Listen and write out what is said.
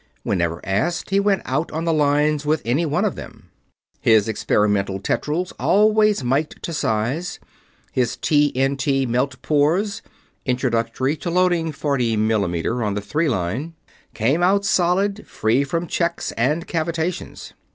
Whenever asked, he went out on the lines with any one of them. His experimental tetryls always "miked" to size, his TNT melt pours introductory to loading forty millimeter on the Three Line came out solid, free from checks and cavitations.